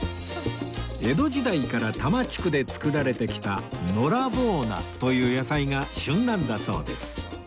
江戸時代から多摩地区で作られてきたのらぼう菜という野菜が旬なんだそうです